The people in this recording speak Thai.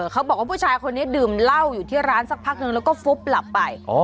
เขาบอกว่าผู้ชายคนนี้ดื่มเหล้าอยู่ที่ร้านสักพักนึงแล้วก็ฟุบหลับไป